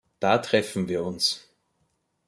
Da treffen wir uns.